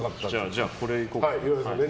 じゃあ、これ行こうかな。